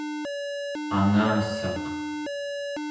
angassaq